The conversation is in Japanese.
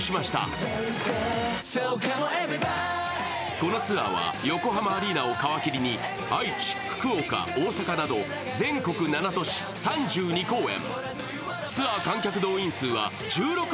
このツアーは横浜アリーナを皮切りに愛知、福岡、大阪など全国７都市、３２公演。